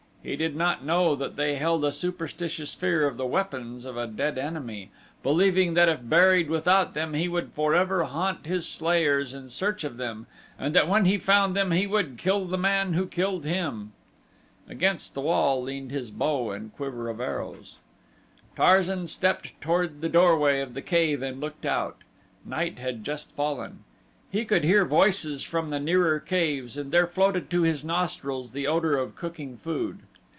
He did not know that they held a superstitious fear of the weapons of a dead enemy, believing that if buried without them he would forever haunt his slayers in search of them and that when he found them he would kill the man who killed him. Against the wall leaned his bow and quiver of arrows. Tarzan stepped toward the doorway of the cave and looked out. Night had just fallen. He could hear voices from the nearer caves and there floated to his nostrils the odor of cooking food.